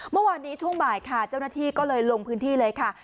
เมื่อวานนี้ช่วงบ่ายค่ะเจ้าหน้าที่ก็เลยลงพื้นที่เลยค่ะ